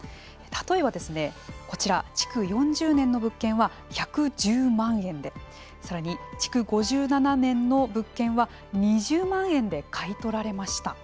例えばですね、こちら築４０年の物件は１１０万円でさらに、築５７年の物件は２０万円で買い取られました。